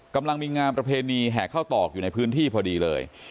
กำลังมีงานประเพณีแห่ข้าวตอกอยู่ในพื้นที่พอดีเลย